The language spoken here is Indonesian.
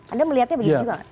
anda melihatnya begitu juga